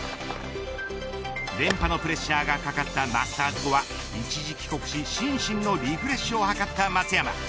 連覇のプレッシャーが懸かったマスターズ後は一時帰国し、心身のリフレッシュを図った松山。